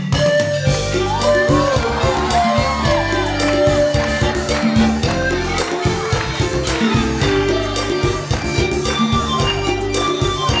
เดี๋ยวตายเลี่ยวตายเลี่ยว